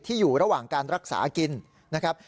อยู่ระหว่างการรักษากินนะครับ